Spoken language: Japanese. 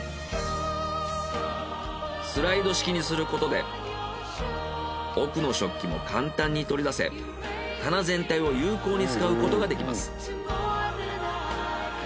スライド式にすることで奥の食器も簡単に取り出せ棚全体を有効に使うことができます。